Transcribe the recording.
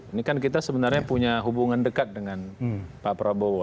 ini kan kita sebenarnya punya hubungan dekat dengan pak prabowo